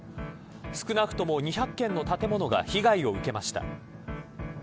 少なくとも２００軒の建物が被害を受けました。